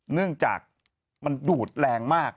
เนื่องจากมันดูดแรงมาก